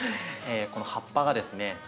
この葉っぱがですね